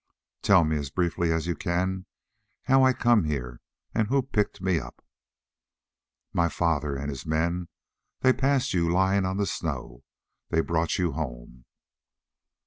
"Tell me as briefly as you can how I come here, and who picked me up." "My father and his men. They passed you lying on the snow. They brought you home."